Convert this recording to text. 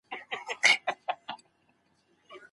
سوداګرو نويو تجهيزاتو ته اړتيا احساسوله.